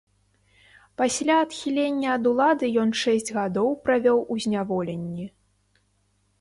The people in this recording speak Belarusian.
Пасля адхілення ад улады ён шэсць гадоў правёў у зняволенні.